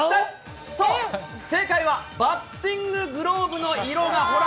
そう、正解はバッティンググローブの色が、ほら！